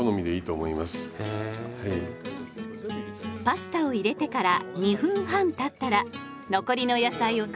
パスタを入れてから２分半たったら残りの野菜を加えます。